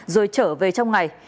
rồi trở về trong ngày